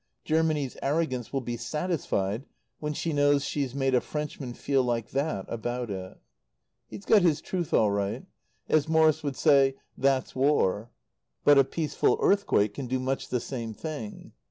Germany's arrogance will be satisfied when she knows she's made a Frenchman feel like that about it. He's got his truth all right. As Morrie would say: "That's War." But a peaceful earthquake can do much the same thing.